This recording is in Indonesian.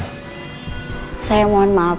tbg nggak ada teman gw